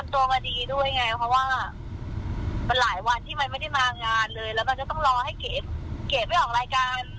ที่มันไม่ได้มางานเลยแล้วมันจะต้องรอให้เก๋ไม่ออกรายการ